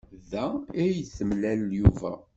Da ay d-temlal Yuba.